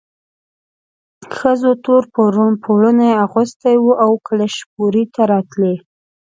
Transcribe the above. ښځو تور پوړوني اغوستي وو او کلشپورې ته راتلې.